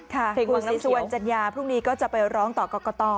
คุณศิสวรรค์จัดยาพรุ่งนี้ก็จะไปร้องต่อก่อก่อต่อ